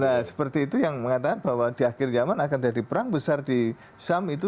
nah seperti itu yang mengatakan bahwa di akhir zaman akan jadi perang besar di sham itu